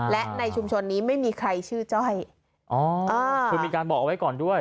และในชุมชนนี้ไม่มีใครชื่อจ้อยอ๋อคือมีการบอกเอาไว้ก่อนด้วย